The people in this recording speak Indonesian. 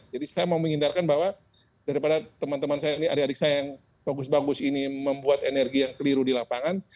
jadi saya mau menghindarkan bahwa daripada teman teman saya ini adik adik saya yang bagus bagus ini membuat energi yang keliru di lapangan